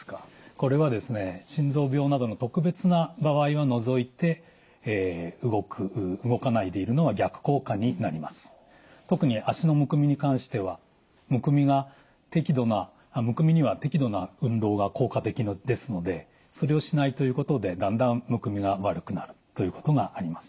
これはですね特に脚のむくみに関してはむくみには適度な運動が効果的ですのでそれをしないということでだんだんむくみが悪くなるということがあります。